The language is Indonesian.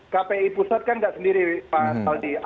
kpi pusat kan nggak sendiri pak aldi